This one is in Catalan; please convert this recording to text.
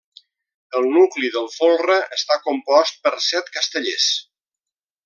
El nucli del folre està compost per set castellers.